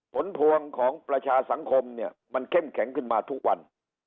ผลพวงของประชาสังคมเนี่ยมันเข้มแข็งขึ้นมาทุกวัน